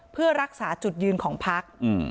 เพื่อรักษาจุดยืนของพัก